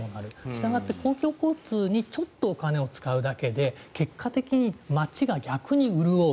したがって、公共交通にちょっとお金を使うだけで結果的に街が逆に潤う。